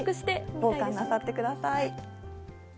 防寒なさってください。